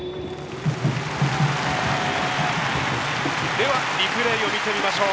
ではリプレイを見てみましょう。